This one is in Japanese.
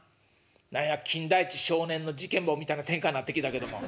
何や『金田一少年の事件簿』みたいな展開になってきたけども」。